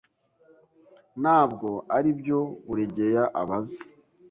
Ntabwo aribyo Buregeya abaza.